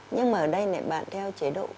nhưng mà ở đây bạn theo chế độ